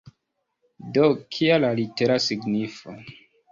Do, kia la litera signifo?